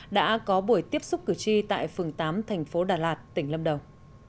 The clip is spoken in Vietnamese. đã có buổi tiếp xúc cử tri tại phường tám thành phố đà lạt tỉnh lâm đồng